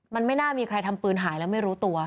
มันไม่น่ามีใครทำปืนหายแล้วไม่รู้ตัว